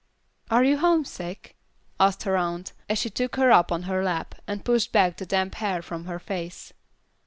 "Are you homesick?" asked her aunt, as she took her up on her lap, and pushed back the damp hair from her face.